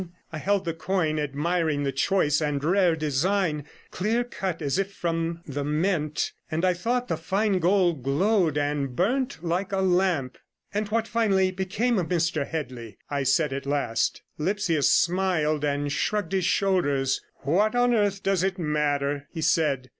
I held the coin, admiring the choice and rare design, clear cut as if from the mint; and I thought the fine gold glowed and burnt like a lamp. 140 'And what finally became of Mr Headley?' I said at last. Lipsius smiled, and shrugged his shoulders. 'What on earth does it matter?' he said.